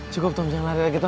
cukup tom jangan lari lagi tom